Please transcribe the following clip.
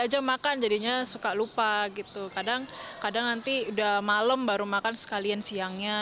aja makan jadinya suka lupa gitu kadang kadang nanti udah malem baru makan sekalian siangnya